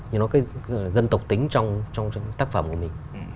nhưng nó cái dân tộc tính trong tác phẩm của mình